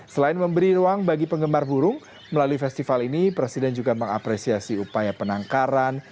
selain memberi ruang bagi penggemar burung melalui festival ini presiden juga mengapresiasi upaya penangkaran